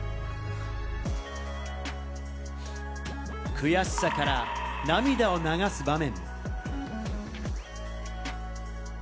悔しさから涙を流す場面。